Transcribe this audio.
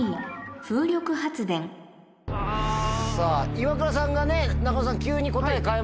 イワクラさんがね中野さん。